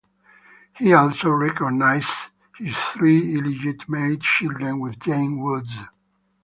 He also recognised his three illegitimate children with Jane Woods.